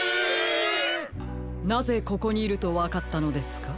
なぜここにいるとわかったのですか？